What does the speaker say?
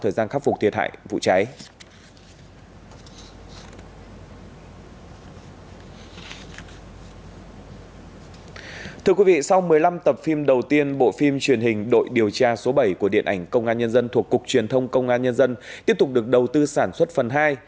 thưa quý vị sau một mươi năm tập phim đầu tiên bộ phim truyền hình đội điều tra số bảy của điện ảnh công an nhân dân thuộc cục truyền thông công an nhân dân tiếp tục được đầu tư sản xuất phần hai